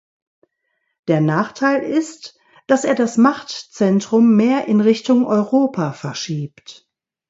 Der Nachteil ist, dass er das Machtzentrum mehr in Richtung Europa verschiebt.